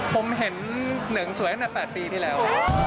ผมเห็นเหนื่องสวยขณะ๘ปีที่แล้ว